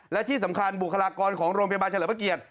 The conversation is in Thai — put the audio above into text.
และที่สำคัญบุคลากรของโรงพยาบาลเฉลิมพระเกียรติ